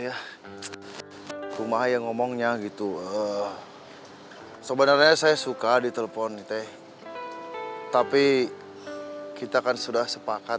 ya rumah yang ngomongnya gitu sebenarnya saya suka ditelepon teh tapi kita kan sudah sepakat